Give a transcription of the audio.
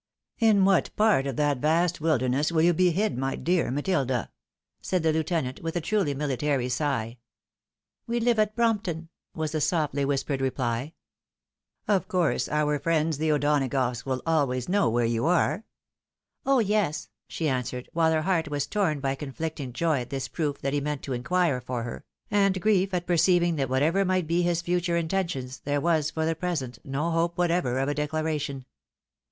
" In what part of that vast wilderness will you be hid, my dear Miss Matilda ?" said the Lieutenant, with a truly miUtary sigh. " We live at Brompton," was the softly whispered reply. " Of course, our Mends, the O'Donagoughs, will always know where you are? "" Oh ! yes," she answered, while her heart was torn by conflicting joy at this proof that he meant to inquire for her, and grief at perceiving that whatever might be his future intentions, there was for the present no hope whatever of a declaration.